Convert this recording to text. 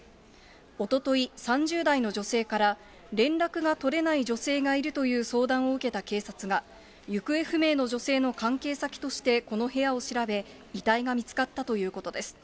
おととい、３０代の女性から、連絡が取れない女性がいるという相談を受けた警察が、行方不明の女性の関係先としてこの部屋を調べ、遺体が見つかったということです。